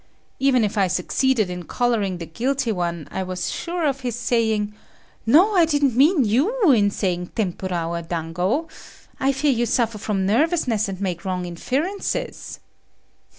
Even if I succeeded in collaring the guilty one I was sure of his saying, "No, I didn't mean you in saying tempura or dango. I fear you suffer from nervousness and make wrong inferences."